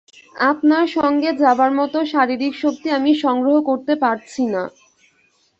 আপনার সঙ্গে যাবার মত শারীরিক শক্তি আমি সংগ্রহ করতে পারছি না।